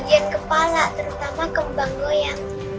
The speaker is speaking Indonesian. bagian kepala terutama kembang loyang